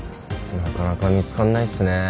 なかなか見つかんないっすね。